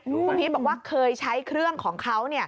คุณพีชบอกว่าเคยใช้เครื่องของเขา